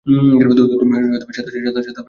তুমি সাদা পাঞ্জাবি পরে আসবে।